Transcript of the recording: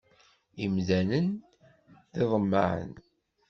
Imdanen d iḍemmaɛen.